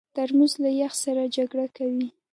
ترموز له یخ سره جګړه کوي.